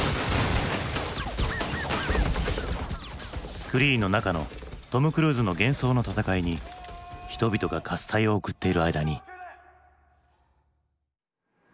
スクリーンの中のトム・クルーズの幻想の戦いに人々が喝采を送っている間に。